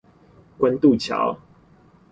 關渡橋